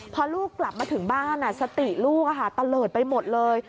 พอลูกกลับมาถึงบ้านสติลูกตะเลิศไปหมดเลย